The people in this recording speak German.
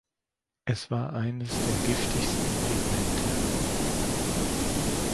Es war eines der giftigsten Pigmente.